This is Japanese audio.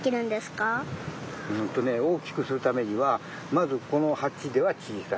うんとね大きくするためにはまずこのはちではちいさい。